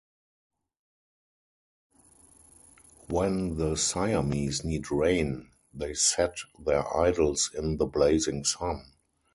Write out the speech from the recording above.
When the Siamese need rain, they set their idols in the blazing sun.